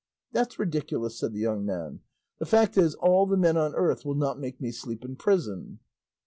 "That's ridiculous," said the young man; "the fact is, all the men on earth will not make me sleep in prison."